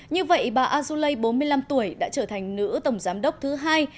như vậy bà azuelai bốn mươi năm tuổi đã trở thành nữ tổng giám đốc thứ hai